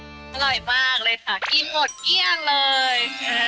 อร่อยมากเลยค่ะกินหมดเกลี้ยงเลย